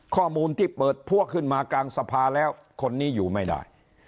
ข้อมูลที่เปิดพวกขึ้นมากลางสภาแล้วคนนี้อยู่ไม่ได้